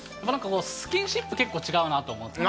スキンシップ、結構違うなと思って。